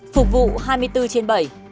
phục vụ hai mươi bốn trên bảy